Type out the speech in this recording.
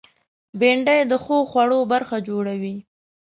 بېنډۍ د ښو خوړو برخه جوړوي